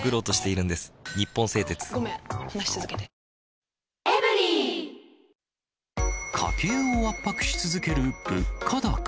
めん話つづけて家計を圧迫し続ける物価高。